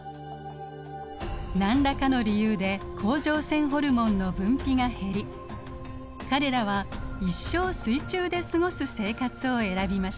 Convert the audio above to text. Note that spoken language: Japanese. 何らかの理由で甲状腺ホルモンの分泌が減り彼らは一生水中で過ごす生活を選びました。